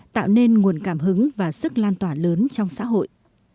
tạo nên nguồn cảm hứng và sức lan tỏa lớn trong xã hội